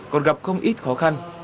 còn gặp không ít khó khăn